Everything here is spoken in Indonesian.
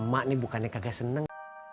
mak ini bukannya kagak senang